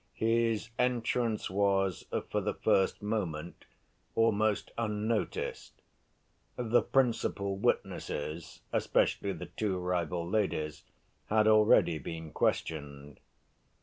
His entrance was for the first moment almost unnoticed. The principal witnesses, especially the two rival ladies, had already been questioned.